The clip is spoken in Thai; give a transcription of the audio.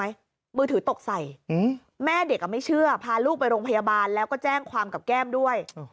มือถือตกใส่แม่เด็กไม่เชื่อพาลูกไปโรงพยาบาลแล้วก็แจ้งความกับแก้มด้วย